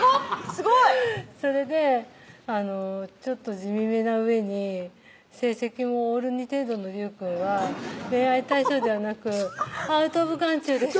すごいそれでちょっと地味めなうえに成績もオール２程度の隆くんは恋愛対象ではなくアウトオブ眼中でした